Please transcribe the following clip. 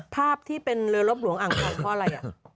ภาพที่เป็นเรือลบหลวงอ่างทองเพราะอะไร